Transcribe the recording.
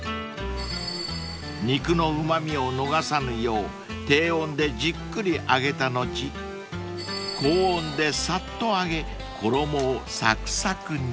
［肉のうま味を逃さぬよう低温でじっくり揚げた後高温でさっと揚げ衣をさくさくに］